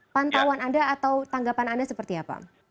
pantauan anda atau tanggapan anda seperti apa